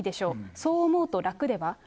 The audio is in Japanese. そう思うと楽では。